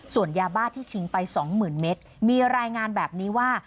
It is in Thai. ส่วนยาบ้าที่ชิงไป๒๐๐๐เมตรมีรายงานแบบนี้ว่า